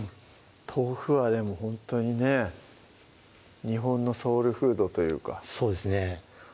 豆腐はでもほんとにね日本のソウルフードというかそうですね